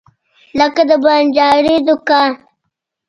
لکه د بنجاري دکان.